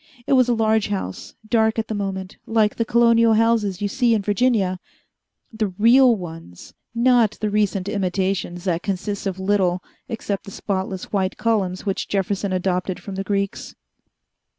It was a large house, dark at the moment, like the colonial houses you see in Virginia the real ones, not the recent imitations that consist of little except the spotless white columns, which Jefferson adopted from the Greeks.